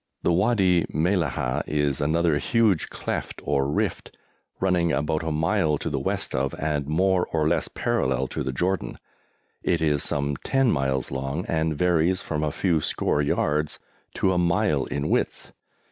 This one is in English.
The Wadi Mellahah is another huge cleft or rift, running about a mile to the west of, and more or less parallel to, the Jordan. It is some 10 miles long, and varies from a few score yards to a mile in width.